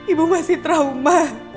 ibu masih trauma